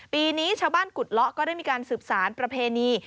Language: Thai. ปีนี้ชาวบ้านกุฎเลาะก็ได้มีการสืบสารประเพณี